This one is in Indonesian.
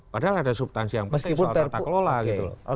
padahal ada subtansi yang penting soal tata kelola